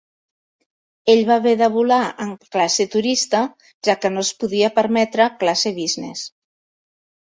Ell va haver de volar amb classe turista, ja que no es podia permetre classe "business".